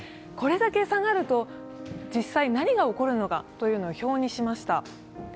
これだけ下がると実際、何が起こるのかというのを表にしました。